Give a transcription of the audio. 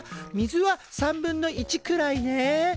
水は３分の１くらいね。